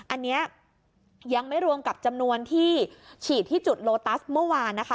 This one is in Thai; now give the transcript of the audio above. อันนี้ยังไม่รวมกับจำนวนที่ฉีดที่จุดโลตัสเมื่อวานนะคะ